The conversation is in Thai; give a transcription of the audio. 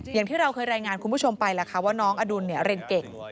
อย่างที่เราเคยรายงานคุณผู้ชมไปแหละค่ะว่าน้องอดุลเรียนเก่ง